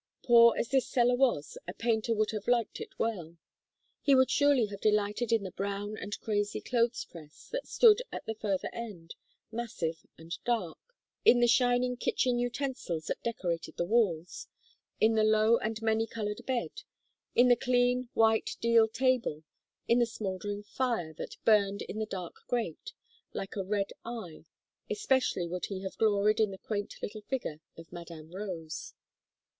Poor as this cellar was, a painter would have liked it well; he would surely have delighted in the brown and crazy clothes press, that stood at the further end, massive and dark; in the shining kitchen utensils that decorated the walls; in the low and many coloured bed; in the clean, white deal table; in the smouldering fire, that burned in that dark grate, like a red eye; especially would he have gloried in the quaint little figure of Madame Rose.